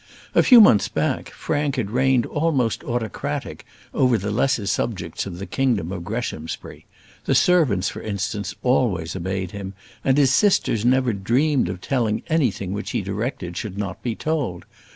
A few months back, Frank had reigned almost autocratic over the lesser subjects of the kingdom of Greshamsbury. The servants, for instance, always obeyed him, and his sisters never dreamed of telling anything which he directed should not be told.